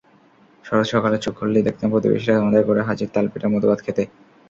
শরৎ সকালে চোখ খুললেই দেখতাম প্রতিবেশিরা আমাদের ঘরে হাজির তালপিঠা-মধুভাত খেতে।